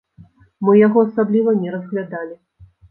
Мы яго асабліва не разглядалі.